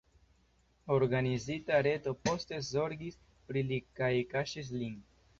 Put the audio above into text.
Organizita reto poste zorgis pri li kaj kaŝis lin.